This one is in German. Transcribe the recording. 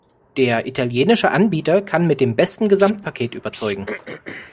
Der italienische Anbieter kann mit dem besten Gesamtpaket überzeugen.